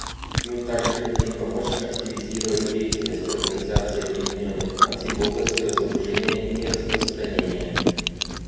Мы также хотим помочь активизировать деятельность Организации Объединенных Наций в области разоружения и нераспространения.